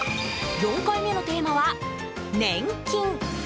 ４回目のテーマは、年金。